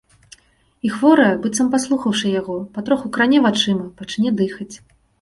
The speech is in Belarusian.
І хворая, быццам паслухаўшы яго, патроху кране вачыма, пачне дыхаць.